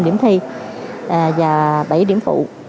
năm điểm thi và bảy điểm phụ